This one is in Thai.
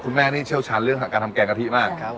แม่นี่เชี่ยวชาญเรื่องการทำแกงกะทิมาก